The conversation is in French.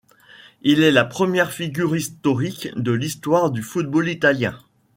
Il est la première figure historique de l'histoire du football italien.